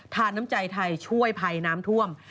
น้ำใจไทยช่วยภัยน้ำท่วม